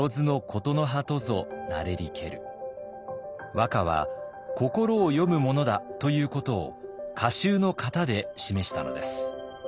和歌は心を詠むものだということを歌集の型で示したのです。